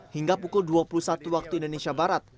hingga pukul dua puluh satu waktu indonesia barat